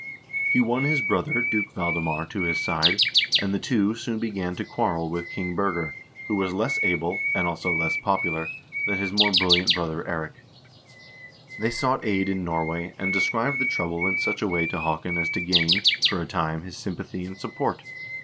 He won his brother, Duke Valdemar, to his side, and the two soon began to quarrel with King Birger, who was less able, and, also, less popular than his more brilliant brother Eirik. They sought aid in Norway, and described the trouble in such a way to Haakon as to gain, for a time, his sympathy and support.